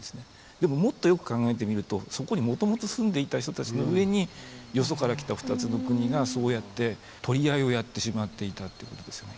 でももっとよく考えてみるとそこにもともと住んでいた人たちの上によそから来た２つの国がそうやって取り合いをやってしまっていたってことですよね。